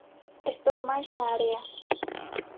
Estou máis na area.